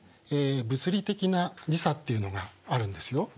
物理的な時差っていうのがあるんですよ。